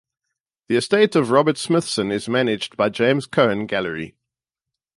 The Estate of Robert Smithson is managed by James Cohan Gallery.